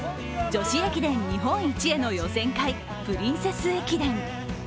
女子駅伝日本一への予選会プリンセス駅伝。